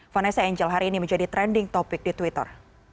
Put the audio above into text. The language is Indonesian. vanessa angel hari ini menjadi trending topic di twitter